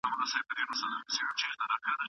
ژبه خپلواکي ټینګوي.